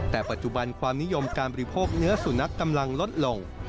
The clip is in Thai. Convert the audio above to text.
แต่ปัจจุบันความนิยมการบริโภคเนื้อสุนัขกำลังลดลง